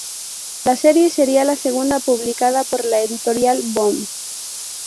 La serie sería la segunda publicada por la editorial Boom!